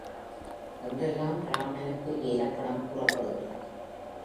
என்றெல்லாம் பிராமணனுக்குரிய இலக்கணம் கூறப்பெறுகிறது.